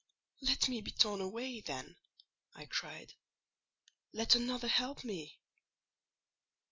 "Let me be torn away, then" I cried. "Let another help me!"